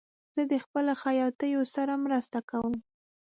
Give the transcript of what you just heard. زه د خپلو خیاطیو سره مرسته کوم.